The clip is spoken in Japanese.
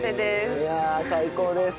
いやあ最高です。